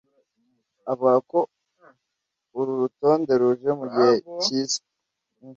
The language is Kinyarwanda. avuga ko uru rutonde ruje mu gihe cyiza